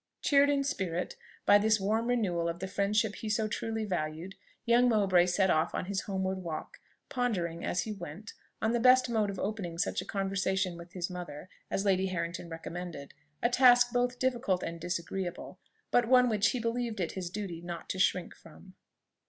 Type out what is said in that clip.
Cheered in spirit by this warm renewal of the friendship he so truly valued, young Mowbray set off on his homeward walk, pondering, as he went, on the best mode of opening such a conversation with his mother as Lady Harrington recommended; a task both difficult and disagreeable, but one which he believed it his duty not to shrink from.